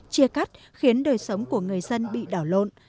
chia cắt khiến đời sống của người dân bị đảo lộn